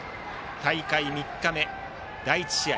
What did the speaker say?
大会３日目、第１試合。